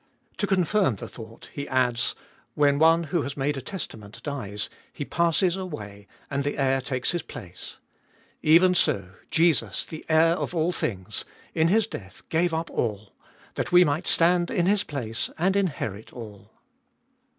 To confirm the thought he adds :" When one who has made a testament dies, he passes away, and the heir takes his place, — even so Jesus, the Heir of all things, in His death gave up all, that we might stand in His place, and inherit all."